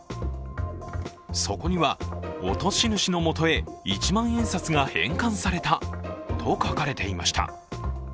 そこには、落とし主の元へ一万円札が返還されたと書かれていました。